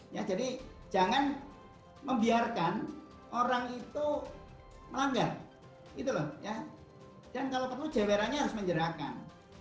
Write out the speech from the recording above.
ya jadi jangan membiarkan orang itu melanggar gitu loh ya dan kalau perlu jewerannya harus menjerahkan